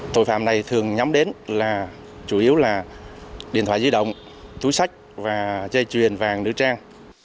tội phạm này thường nhắm đến là chủ yếu là điện thoại di động túi sách và dây chuyền vàng nữ trang